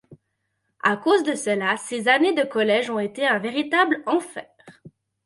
À cause de cela, ses années de collège ont été un véritable enfer.